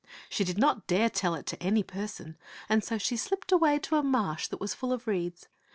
She did not dare tell it to any person, and so she slipped away to a marsh that was full of reeds.